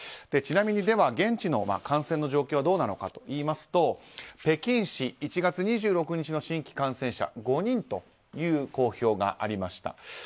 ちなみに、では現地の感染の状況はどうなのかといいますと北京市、１月２６日の新規感染者、５人という公表がありました。